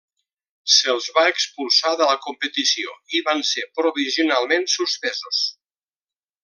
Se'ls va expulsar de la competició i van ser provisionalment suspesos.